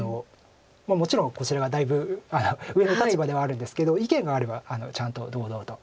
もちろんこちらがだいぶ上の立場ではあるんですけど意見があればちゃんと堂々と。